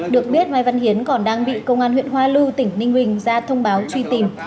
được biết mai văn hiến còn đang bị công an huyện hoa lưu tỉnh ninh bình ra thông báo truy tìm